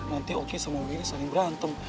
nanti oki sama willy saling berantem